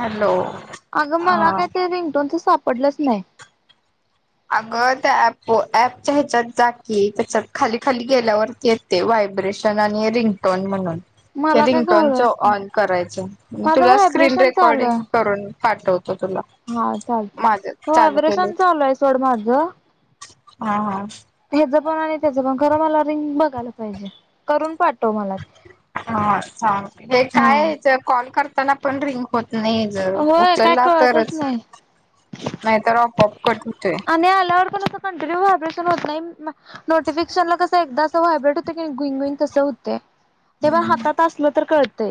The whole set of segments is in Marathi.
हॅलो अगं मला हा काय ते रिंगटोनच सापडलंच नाही अगं त्या ॲप पच्या ह्याच्यात जा की त्याच्यात खाली खाली गेल्यावरती येते वाट ब्रेशन रिंग म्हण मला काय रिंगटोनच घावलंच नाही ऑन करायचं माझं तुझ्या स्क्रीन व्हायब्रेशन चालू रेकॉर्डिंग आहे करून पाठवतो तुला हा चालत माझं हो चालू व्हायब्रेशन चालूय सोड माझ हा हा हेच पण आणि त्याच पण खरं मला रिंग बघायला पाहिजे करून पा हच्छा हे हा काय कॉल करताना पण रिंग होत नाही जर होय काय उचलला कळतच तरच नाही नाही तर आपोआपच कट होतोय आणि आल्यावर पण असं कंटिन्यू व्हायब्रेशन होत नाही नोटिफिकेशन ला कसं एकदा असं व्हायब्रेट होत क गुईंग गुईंग कसं होते तेव्हा हातात असलं तर कळतय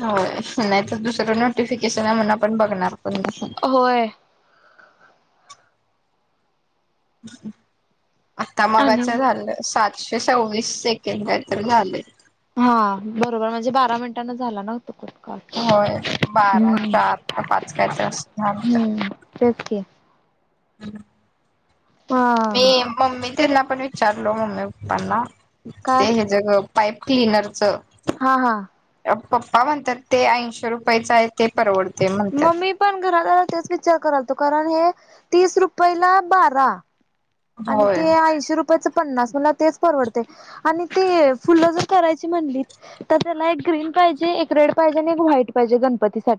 होय नाही तर दुसरं नोटिफिकेशन आहे म्हणून आपण बघणार पण नाही होय आता आणि मगाच झालं स पाशे सव्वीस सेकंड तर झाले हा बरोबर म्हणजे बारा मिनटांने झाला ना तो कट कॉल होय बारा हम्म चार का पाच कायत झात हम्म तेच की ह हा त्यांना पण विचारलो मम्मी पप्पांना ते काय हे जग पाईप क्लनरचं हा हा पप्पा म्हणतात ते ऐंशीे रुपयाच आहे ते परवडत मम्मी पण घरात आला त्याच विचार कराल तो त रुप बा रुप मु होय क म्ह पाहिजे एक रेड पाहिजे आणि एक व्हाईट पाहिजे गणपती सा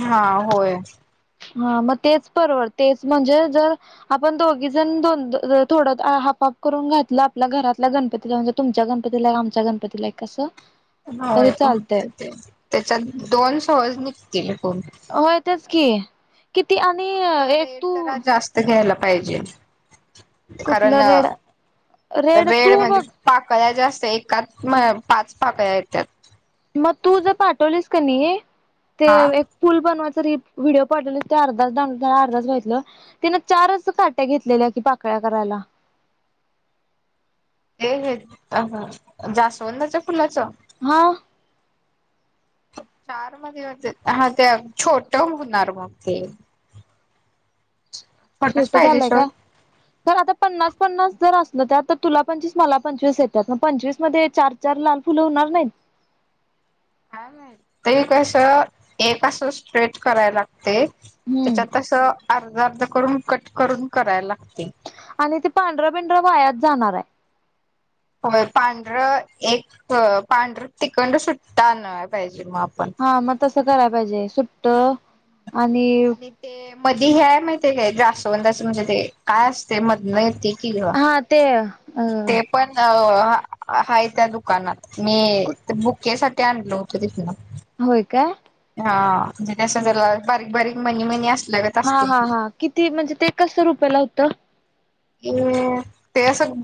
हा होय हा मग तेच बरोबर तेच म्हणजे जर आपण दोघी जण द थोडं हाफआफ करून घातलं आपल्या घरातला गणपतीला म्हणजे तुमच्या गणपतीला आमच्या गणपतीलाय कसं तरी हो चालतंय ते त्याच्यात दोन सहज निघतील कोण. होय तेच की किती आणि फक्त एक रेट तू जरा जास्त घ्यायला पाहिजे कारण कुठलं रेड रेड तू वेळ म्हणजे बघ पाकळ जास्त एच म पाच पाक आहेत त्या मग तू जर पाठवलीस का नाही ते हा एक पूल बनवाय व्हिडिओ पड अर् अर्धचितलं तिने चारच काट्या घेतलेल्या पाकळ्या करायला हे हे अ जास्वंदाच्या फुलाच [inaudible] हा चार मध्ये हा ते छोट होणार मग ते [inaudible] छोटच छोट पाहिजे झालंय का शेवट तर आता पन्नास पन्नास जर असल त्या तर तुला पंचवीस मला पंचवीस येतात मग पंचवीस मध्ये चार चार लाल फुलं होणार नाही काय मा ते कस एक अस स्ट्रेट करायला लागते हम्म त्याच्यातस अर्ध अर्ध करून कट करून करायला आणि ते पांढरा पिंढरा वायात जाणार आहे होय पांढरं एक पांढरं तिखंड सुट्टना पाहिजे मग आपण हा मग तसं करायला पाहिजे सुट्ट आणि ते मध हेय माहिती आहे काय ग्रासवंद अस म्हणजे ते काय असते मधनती किवा हा ते अ ते पण अ हा त्या दुकानात मी बुकेसाठीठी आणल होत तिथनं होय का हा म्हणजेस झाला बारीक बारीक म्हनी म्हणी असत हा हा हा किती म्हणजे ते कस रुपयाला होतं अ ते असं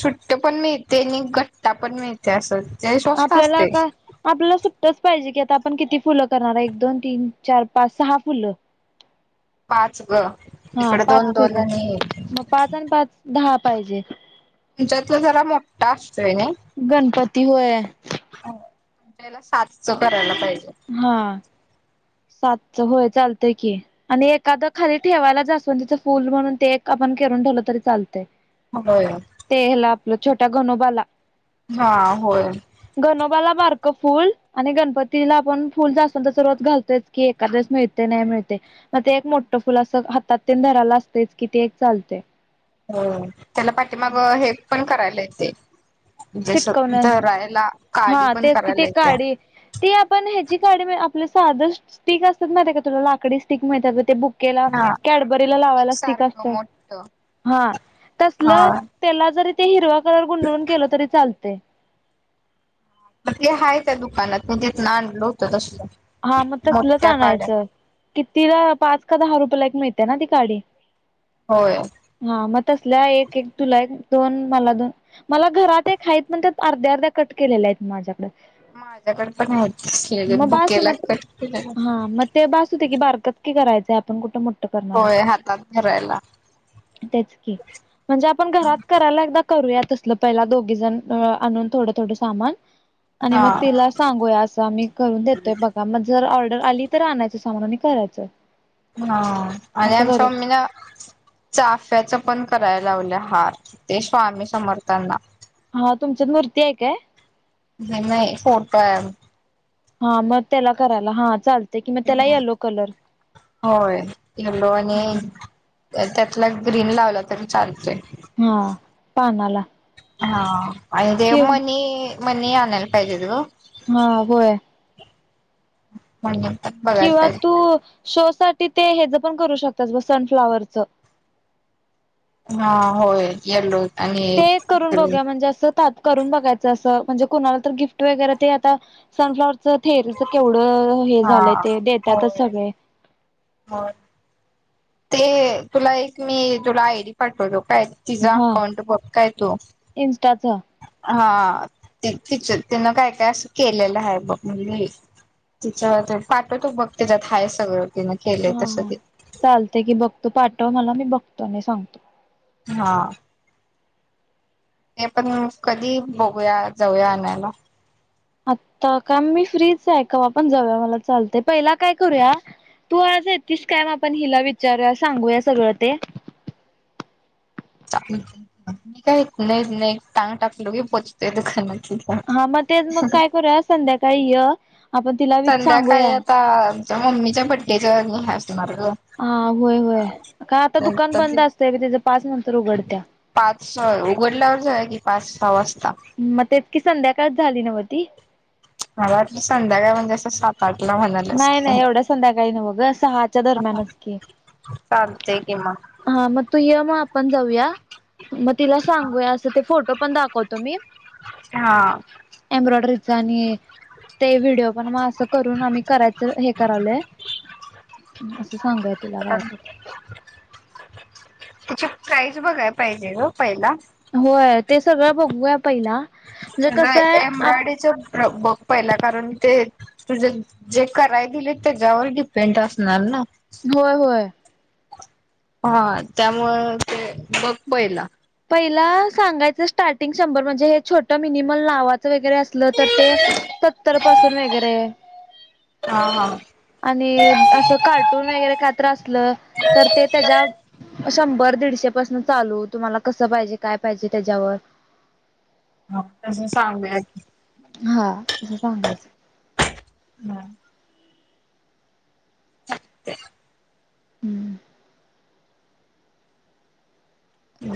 सुुट्ट पण मिळते आणि घट्टा पण मिळते असं ते स्वस्त आपल्याला असते का आपल्याला सुट्टच पाहिजे की आता आपण किती फुलं करणार एक दोन तीन चार पाच सहा फुलं पाच ग हा इकडे दोन पाच फल दोन आणि मग पाच आणि पाच दहा पाहिजे तुमच्यातला जरा मोठठा गणपती होय तुमच्याला साास करायला पाहिजे हा. सातचं होय चालतंय की आणि एखादं खाली ठेवायला जास्वंदीचं फूल म्हणून ते एक आपण ठेवलं तरी चालतंय. होय. ते ह्याला छोट्या गनोबाला हा होय. बारकं फुल आणि गणपतीला पण फुल जास्वंदाचं रोज घालतात की. एखाद वेळेस मिळते नाही मिळते मग ते एक मोठं फुल असं हातात तेन धराला असतेच किती एक चालते. हो त्याला पाठीमागं हे पण करायला येते. म्हणजे असं चिटकवण धरायला हा काडी पण तेच की ती करायला येत्या काडी. ती आपण ह्याची काढ आपलं साधं स्टिक असतात माहिते का तुला लाकडी स्टिक मिळतात बघ ते बुक के ला, हा कॅडबरीला टूथपिक लावायला स्टिक सारखं असतं. मोठ हा हा तसलं त्याला जरी ते हिरवा कलर गुंडळून केलं तरी चालतंय. मग ते हाय त्या दुकानात मी तिथून आणल होतं तसलं. हा मग तसलंच मोठ्या काड्या आणायचं. कितीला पाच का दहा रुपयेला येक मिळते ना ती काडी? होय. हा मग तसल्या एक एक तुला एक दोन मला दोन मला घरात एक हाय पण त्या अर्ध्या अर्ध्या कट केलेल्या हैत माझ्याकडे. माझ्याकडे पण हेत [unintelligible] बुके हा म हा म ते बास होतंय की बारकंच की करायचंय आपण कुठ मोठ होय हातात धरायला [unintelligible] तेच क म्हणजे आपण घरात करायला एकदा करूया तसलं पहिला दोघी जन आणून थोडं थोडं सामान. आणि हा मग तिला सांगू या असं आमी करून देतोय बगा म जर ऑर्डर आली तर आणायचं सामान. करायचं. हा आणि असं आमच्या करू मम्मीला चाफ्याचं पण कर करायला लावले हार ते स्वामी समर्थांना हा तुमच्यात मूर्ती हे काय? नाही नाही फोटोये. हा मग त्याला करायला हा चालत ह होय गेलो आणि त्याच्यातला ग्रीन लावला तर चालतंय. हा पानाला हा आणि ते किव मनी मनी आणायला पाहिजेत गं. हा होय. [inaudible] किंवा पाहिजे. तू शो साठी ते ह्याजं पण करू शकतात बग सनफ्लावरचं हा होय येल्लो आणि ते एक करून बघू ग्रीन या म्हणजे म्हणजे असं तात् करून बघायचं असं म्हणजे कुणाला तरी गिफ्ट वगैरे ते आता सनफ्लावरचं [unintelligible] ह हे हा झाले ते देतातच होय. सगळे. हो. ते तुला एक मी तुला आयडी पाठवलो. काय तिजा हा अकाउंट बघ काय तू इन्स्टाच हा हा ते तिचं च तिनं काय काय असं केलेलं हाय बघ म्हणजे तिचं पाठवतो बघ त्याच्यात हाय सगळं. तिनं केलंय हा तसं हा ते चालतंय की बघतो पाठवा मला मी बघतो आणि सांगतो. हा ते पण कधी बघूया जाऊया आणायला आता का मी फ्रीच ऐका आपण जाऊया मला चालतेय पहिला काय करूया तू आज येेततीस काय मग आपण हिला विचारूया सांगूया सगळं ते [unintelligible] काही नाही नाही टांग टाकलोी पोहोचतेोय दुकानात तिथं. हा मग तेच मग काय करूया संध्याकाळी य आपण तिला वि संध्याकाळी सांगूया आता आमच्या मम्मीच्या बड्डेच्या असणार ग. हा होय होय का आता दुकान नंतर बंद ते असतय त्याच्या पाच नंतर उघडत्या पाच स उघडल्यावरच की पाच सहा वाजता मग ततकी संध्याकाळच झाली नव्हतीी मला आ संध्याकाय म्हणजे असं आठ ला म्हणाल्यास नाही नाही काय. एवढं संध्याकाळी नाही बघ सहाच्या दरम्यानच की चालतंय की मग. हा मग तू य मग आपण जाऊया मग तिला सांगूया अस फोटो पण दाखवतो मी हा एम्ब्रॉयडरीचा आणि ते व्हिडिओ पण मग असं करू करायचं हे करावलंय असं सांगूय तिला काय का त्याची प्राईज बघाय पाहिजे ग पहिला होय ते सगळं बघूया पहिला म्हणजे तुझं कसं आहे एम्ब्रॉयडरीच बघ पहिला कारण ते तुझे जे कराय दिले त्याच्यावर डिपेंड असणार ना होय होय हा त्यामुळे ते बघ पहिला ा स म्हण छ मि वगैरे असलं तर ते सत्तर पासून वगैरे हा हा आणि असं कार्टून वगैरे खात्र असलं तर ते त्याच्या शंभर दीडशेपासन चालू तुम्हाला कसं पाहिजे काय पाहिजे त्याच्यावर हो तस सांगू हा असं सांगायचं [inaudible] हम्म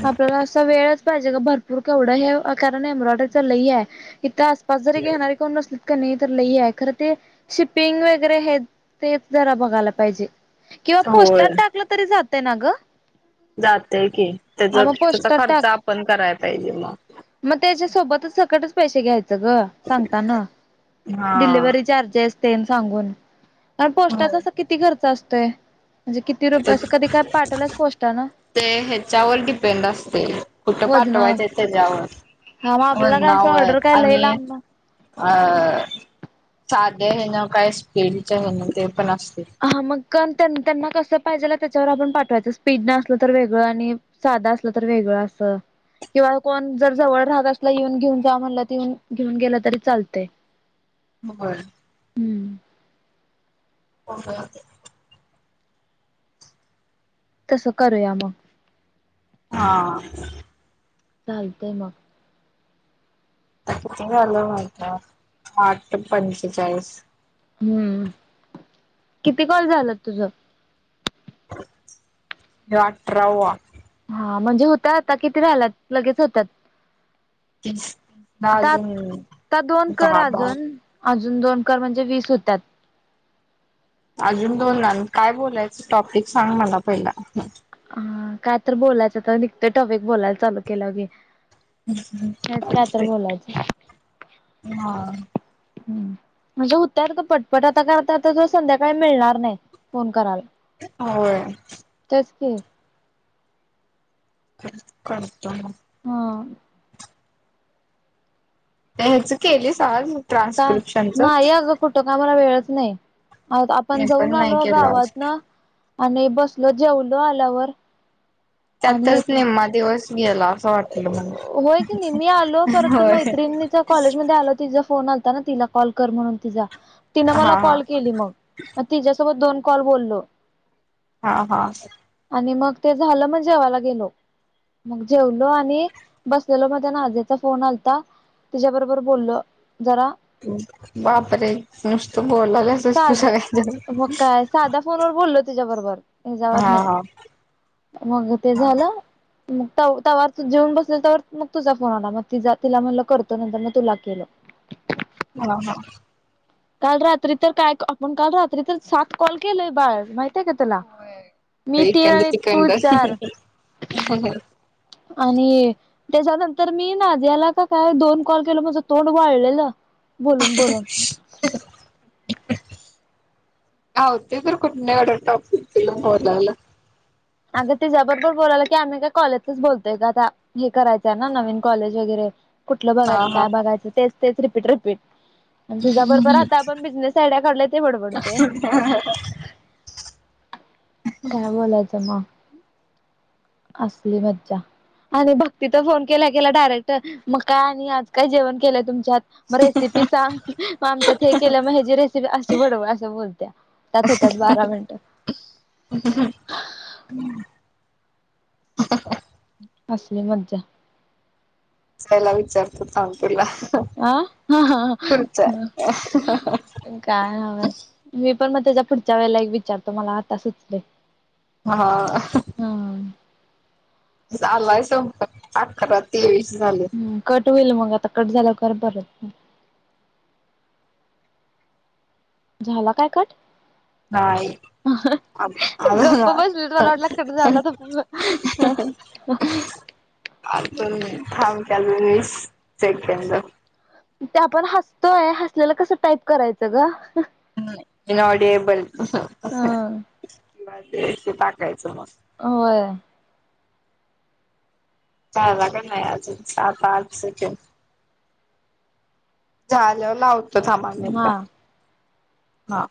आपल्याला असा वेळच पाहिजे ग भरपूर केवढं हे कारण एम्ब्रॉयडरी ल ह आहे इथ पाजार क घ हेणाररी कोण नस नाही तर लई आहे खरं ते शिपिंग वगैरे हे ते जरा बघायला पाहिजे किंवा होय पोस्टात टाकलं तरी जातय ना ग जाते की हा त्याचा मग त्याचा पोस्टर खर्च टाक आपण करायला पाहिजे मग मग त्याच्या सोबतच सकटच पैसे घ्यायचं ग सांगताना हा. डिलव्ही चार्जेस सांगून प पोस्टाचा किती खर्च असतोय म्हणजे किती रुपये तर असं कधी काय पाठवलाच पोस्टान ना ते ह्याच्यावर डिपेंड असते कुठ पाठवायचं त्याच्यावर हा मग आपल्याला काय असं वर्णावर ऑर्डर काय लय आणि लांबन अ साधे आहे ना काय स्पीडचे आहे ना ते पण असते. अ मग त्यांना कसं पाहिजे त्याच्यावर आपण पाठवायचं स्पीड न असलं तर वेगळं आणि साधं असलं तर वेगळं अस स किंवा कोण जर जवळ राहत असला येऊन घेऊन जा म्हणलं ते येऊन घेऊन गेलं तरी चालते होबर [inaudible] के ओके तसं करूया मग हा चालतय मग आता किती झालं माहित आहे आठ पंचेचाळीस हम्म किती कॉल झालंत तुझ ह्यो अठरावा हा म्हणजे होतय आता किती झाल्यात लगेच होत्यात तीस ला अजून आता दोन कर दहा बारा अजून अजून दोन कर म्हणजे वीस होत्याात अजून दोन लागल काय बोलायचं टॉपिक सांग मला पहिला हा काय तर बोलायचं तर निघत टॉपिक बोलायला चालू केल्यावर घे हा हम्म म्हणजे होत्यात गं पटपट आता काय आता आता त संध्याकाळी मिळणार नाही फोन करायला होय तेचकि करत कॉल करतो मग हा त्या हेच केलीस आज का ट्रान्स्क्रिप्शनच नाही अगं कुठं का मला वेळच नाही आव मी आपण जाऊन पण नाही आलो केलो आज गावात न आणि बसलो जेवलो आल्यावर आणि त्यातच हे निम्मा दिवस गेला असं वाटलं मला होय की नाही मी आलो पर ती होय मैत्रिणीचा कॉलेज मध्ये आलो तिचा फोन आल तिला कॉल कर म्हणून तिझा तिन मला हा कॉल केली मग मग तिच्यासोबत दोन कॉल बोललो हा हा आणि मग ते झालं मग जेवायला गेलो मग जेवलो आणि बसलेलो मग त्या नाजियाचा फोन आलता तिच्याबरोबर बोललो जरा बापरे नष्ट साध मग काय साधा फोनवर बोललो तिच्याबरोबर फोन वर हिच्यावर हा नाही हा मग ते झालं मग तव त्यावर जेवुन बसले त्यावर मग तुझा फोन आला मग तिझा तिला म्हटलं करतो नंतर मग तुला केलो हा हा काल रात्री तर काय आपण काल रात्री तर सात कॉल केलंय बाळ माहित माहिती का तुला होय मी तीन इकंड आणि तू तिकंड चार आणि त्याच्यानंतर मी नाद्याला काय दोन कॉल केलो माझ तोंड वाळलेलं बोलून बोलून हो होत तर कुठल टॉप त बोलायला अगं तेझ्या बरोबर बोलायला की आम्ही काय कॉलेजच बोलतोय गं आता हे करायचं आहे ना नवीन कॉलेज वगैरे कुठलं हा बघायचं हा काय बघायचं तेच तेच रिपीट रिपीट आणि तुझ्या बरोबर आता आपण बिझनेस आयडिया काढलोय ते बडबडतोय काय बोलायचं मग असली मज्जा आणि भक्ती तर फोन केला केला डायरेक्ट मग काय आणि आज काय जेवण केलंय तुमच्यात मग रेसिपी सांग मग आमच्यात हे केलं मग हेची रेसिपी अशी बडबडत्या अस बोलत्या त्यात होत्याात बारा मिनटं ह हम् असली मज्जा जायला विचारतो थांब तुला हा हाहा पुढचा काय नव्हच पण मग त्याच्या पुढच्या वेळेला एक विचारतो मला आता सुचलय हा ह झालाय संप अकराात ते हम् कट होईल मग आता कट झाल्या खर बर झाला काय काट नाही अ अ का गप्प बसली [unintelligible] मला वाटलं कट झाला तर अजून थांब अजून वीस सेंकद ते आपण हसतोय हसलेलं कसं टाईप करायचं ग हम् नॉडी बल हा ते शी पाकय होय झाला का नाही अजून सात-आठ सेकेंड झाल्यावर लावतो अनेकदा हा. हा